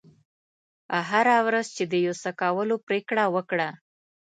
هره ورځ چې د یو څه کولو پرېکړه وکړه.